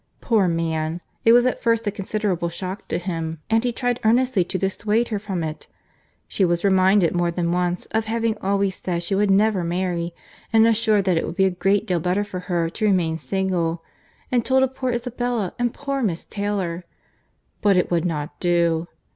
Poor man!—it was at first a considerable shock to him, and he tried earnestly to dissuade her from it. She was reminded, more than once, of having always said she would never marry, and assured that it would be a great deal better for her to remain single; and told of poor Isabella, and poor Miss Taylor.—But it would not do.